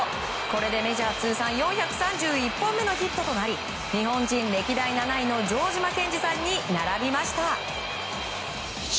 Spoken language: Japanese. これでメジャー通算４３１本目のヒットとなり日本人歴代７位の城島健司さんに並びました。